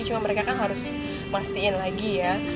cuma mereka kan harus pastiin lagi ya